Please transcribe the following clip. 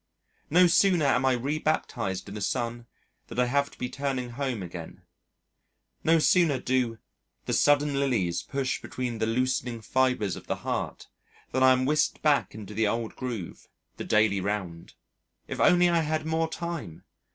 No sooner am I rebaptized in the sun than I have to be turning home again. No sooner do "the sudden lilies push between the loosening fibres of the heart" than I am whisked back into the old groove the daily round. If only I had more time!